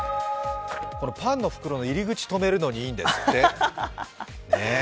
パンの袋の入り口をとめるのに、いいんですって。